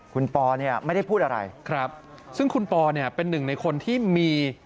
คุณปอไม่ได้พูดอะไรครับซึ่งคุณปอเป็นหนึ่งในคนที่มี